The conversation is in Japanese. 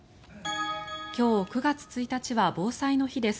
今日９月１日は防災の日です。